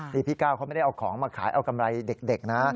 นี่พี่ก้าวเขาไม่ได้เอาของมาขายเอากำไรเด็กนะ